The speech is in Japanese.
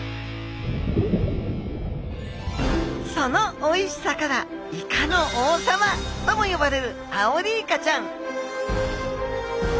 そのおいしさからイカの王様ともよばれるアオリイカちゃん！